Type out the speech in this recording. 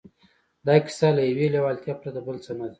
دا کیسه له یوې لېوالتیا پرته بل څه نه ده